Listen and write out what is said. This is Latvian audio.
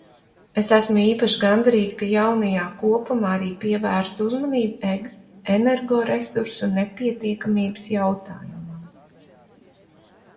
Es esmu īpaši gandarīta, ka jaunajā kopumā arī pievērsta uzmanība energoresursu nepietiekamības jautājumam.